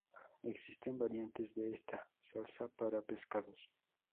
Existen variantes de esta salsa para pescados.